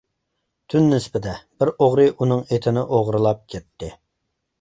تۈن نىسبىدە بىر ئوغرى ئۇنىڭ ئېتىنى ئوغرىلاپ كەتتى.